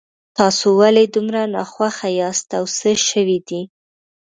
تاسو ولې دومره ناخوښه یاست او څه شوي دي